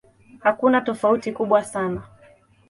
Hakuna tofauti kubwa sana.